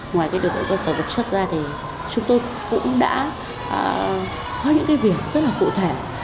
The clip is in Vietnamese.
ngoài cái đội ngũ cơ sở vật chất ra thì chúng tôi cũng đã có những cái việc rất là cụ thể